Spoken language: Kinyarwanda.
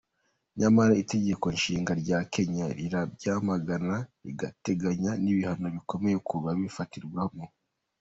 Nyamara itegeko nshinga rya Kenya rirabyamagana rigateganya n’ibihano bikomeye ku babifatiwemo.